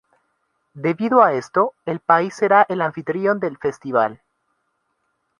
Debido a esto, el país será el anfitrión del festival.